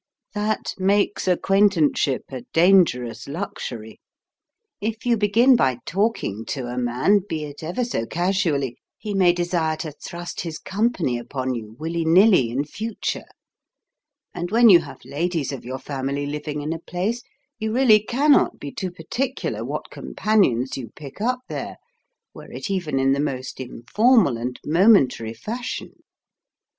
That makes acquaintanceship a dangerous luxury. If you begin by talking to a man, be it ever so casually, he may desire to thrust his company upon you, willy nilly, in future; and when you have ladies of your family living in a place, you really CANNOT be too particular what companions you pick up there, were it even in the most informal and momentary fashion.